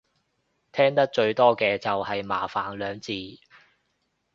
聽得最多嘅就係麻煩兩字